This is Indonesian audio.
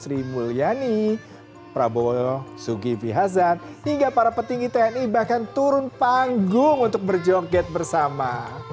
sri mulyani prabowo sugi vihazan hingga para petinggi tni bahkan turun panggung untuk berjoget bersama